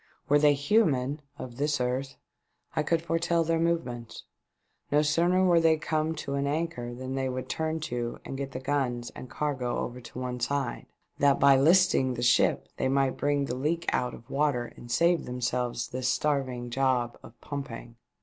" Were they human — of this earth — I could foretell their movements. No sooner were they come to an anchor than they would turn to and get the guns and cargo over to one side, that by listing the ship they might bring the leak out of water and save themselves this starving job of pumping.